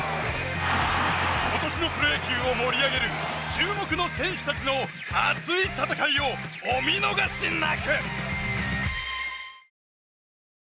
今年のプロ野球を盛り上げる注目の選手たちの熱い戦いをお見逃しなく！